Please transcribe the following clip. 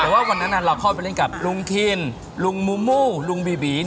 แต่ว่าวันนั้นเราเข้าไปเล่นกับลุงทินลุงมูมูลุงบีบี